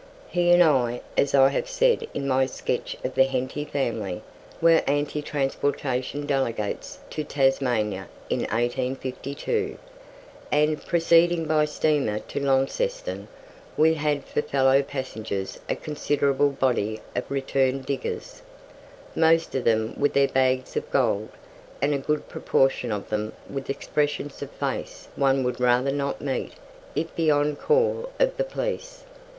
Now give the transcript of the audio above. He and I, as I have said in my sketch of the Henty family, were anti transportation delegates to Tasmania in 1852, and, proceeding by steamer to Launceston, we had for fellow passengers a considerable body of returned diggers, most of them with their bags of gold, and a good proportion of them with expressions of face one would rather not meet if beyond call of the police.